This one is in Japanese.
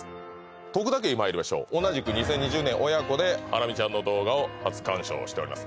徳田家にまいりましょう同じく「２０２０年親子でハラミちゃんの動画を初鑑賞」しております